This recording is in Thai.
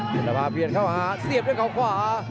เวลาเวียดเข้าหาเสียดด้วยเดิมขวา